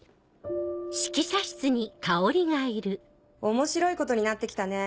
面白いことになってきたね。